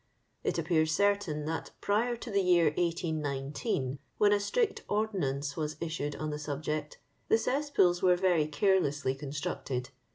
It appears certain that prior to the year 1819 (when a strict ordonnance was issued on the subject) the cesspools were very carelessly constructed.